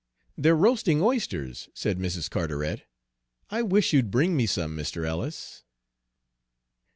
"They're roasting oysters," said Mrs. Carteret. "I wish you'd bring me some, Mr. Ellis."